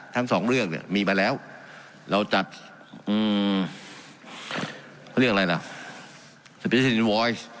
ทั้งสองเรื่องเนี่ยมีมาแล้วเราจัดอือเขาเรียกอะไรล่ะ